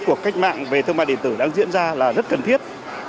cuộc cách mạng về thương mại điện tử đang diễn ra là rất cần thiết